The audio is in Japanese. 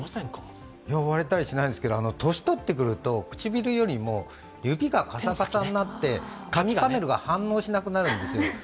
割れたりしないんですけど年取ってくると、唇よりも指がカサカサになって、タッチパネルが反応しなくなるんです。